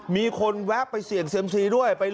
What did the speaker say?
มีคนแวะไปเสี่ยงเซียมซีด้วย